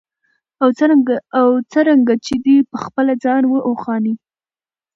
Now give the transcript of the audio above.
او څرنګه چې دى پخپله خان و او خاني